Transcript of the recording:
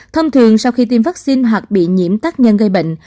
thông thường sau khi tiêm vaccine hoặc bị nhiễm tác nhân gây bệnh